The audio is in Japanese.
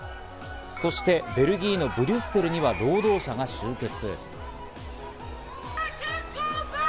そしてベルギーのブリュッセルには労働者が集結。